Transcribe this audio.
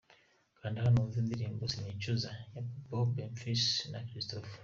kanda hano wumve indirimbo "sinicuza" ya Bobo Bonfils na Christopher.